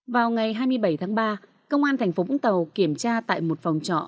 vào ngày hai mươi bảy tháng ba công an tp vũng tàu kiểm tra tại một phòng trọ